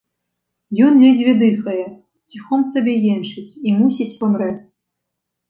Ён ледзьве дыхае, ціхом сабе енчыць і, мусіць, памрэ.